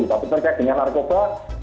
tapi terkait dengan narkoba